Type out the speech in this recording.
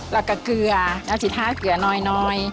แล้วก็เกลือแล้วสิทธาเกลือน้อย